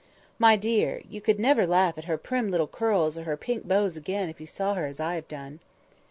My dear! you could never laugh at her prim little curls or her pink bows again if you saw her as I have done."